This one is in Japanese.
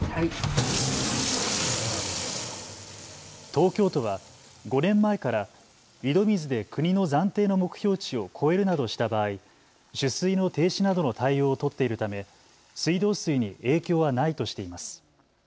東京都は５年前から井戸水で国の暫定の目標値を超えるなどした場合、取水の停止などの対応を取っているため水道水に影響はないとしています。